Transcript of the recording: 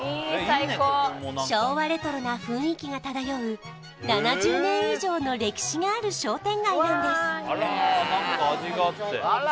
昭和レトロな雰囲気が漂う７０年以上の歴史がある商店街なんです